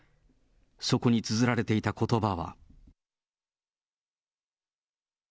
そこにつづられていたことばは。